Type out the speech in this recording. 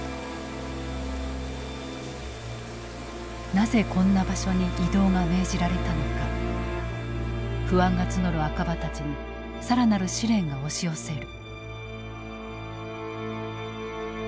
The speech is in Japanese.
なぜこんな場所に移動が命じられたのか不安が募る赤羽たちに更なる試練が押し寄せる。